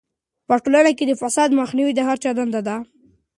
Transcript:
په ټولنه کې د فساد مخنیوی د هر چا دنده ده.